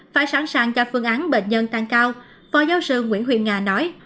phải sẵn sàng cho phương án bệnh nhân tăng cao phó giáo sư nguyễn huyền nga nói